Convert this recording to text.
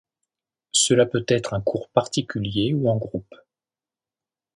Cela peut être un cours particulier ou en groupe.